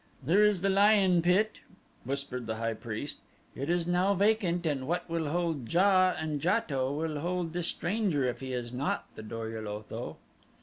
"There is the lion pit," whispered the high priest. "It is now vacant and what will hold JA and JATO will hold this stranger if he is not the Dor ul Otho."